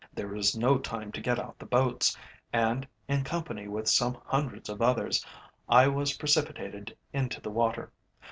There was no time to get out the boats, and, in company with some hundreds of others, I was precipitated into the water.